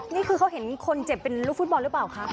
นี่คือเขาเห็นคนเจ็บเป็นลูกฟุตบอลหรือเปล่าคะ